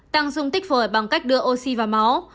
tăng dung tích phổi bằng cách đưa oxy vào máu